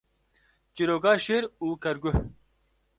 Çîroka Şêr û Kerguh